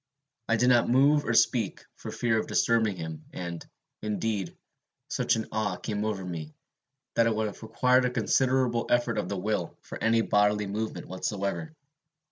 I did not move or speak, for fear of disturbing him; and, indeed, such an awe came over me, that it would have required a considerable effort of the will for any bodily movement whatever.